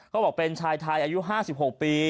เขาบอกเป็นชายไทยอายุ๕๖ปี